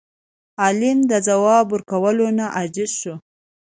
عالم د ځواب ورکولو نه عاجز شو.